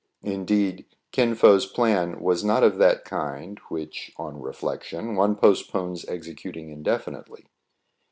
Indeed, Kin Fo's plan was not of that kind, which, on reflection, one postpones executing indefinitely.